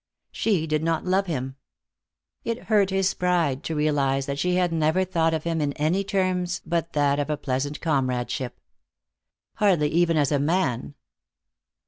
She did not love him. It hurt his pride to realize that she had never thought of him in any terms but that of a pleasant comradeship. Hardly even as a man.